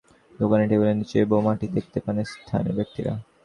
সকালে এলাকার একটি চা-দোকানের টেবিলের নিচে বোমাটি দেখতে পান স্থানীয় ব্যক্তিরা।